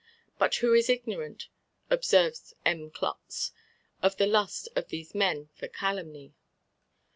"But who is ignorant," observes M. Klotz, "of the lust of these men for calumny?"